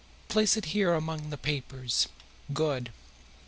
Place it here among the papers. Good!